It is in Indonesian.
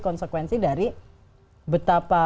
konsekuensi dari betapa